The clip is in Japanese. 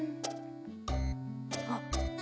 あっ！